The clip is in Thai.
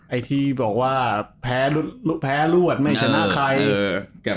ไอ้ที่บอกว่าแพ้รวดไม่ชนะใคร